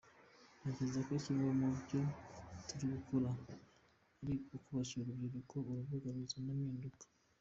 Ntekereza ko kimwe mu byo turi gukora ari ukubakira urubyiruko urubuga ruzana impinduka.